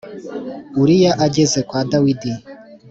Uriya ageze kwa Dawidi